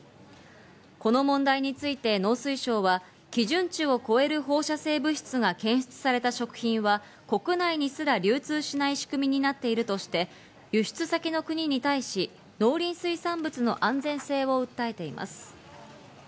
この問題について農水省は基準値を超える放射性物質が検出された食品は国内にすら流通しない仕組みになっているとして、輸出先の国に対し農林水産物の安全性を訴えています。